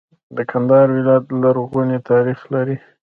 کندهار ولایت لرغونی تاریخ لري.